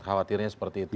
khawatirnya seperti itu